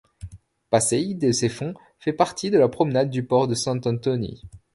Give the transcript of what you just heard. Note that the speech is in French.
Passeig de ses Fonts fait partie de la promenade du port de Sant Antoni.